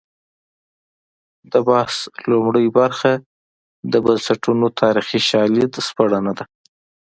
د بحث لومړۍ برخه د بنسټونو تاریخي شالید سپړنه ده.